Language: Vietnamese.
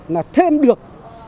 là thêm được